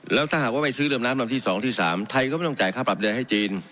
แล้วถ้าหากว่าไม่ซื้อเรือมน้ำลำที่๒ที่๓ไทยก็ไม่ต้องจ่ายค่าปรับเดือนให้จีน